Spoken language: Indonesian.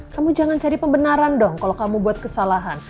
kamu jangan cari pembenaran dong kalau kamu buat kesalahan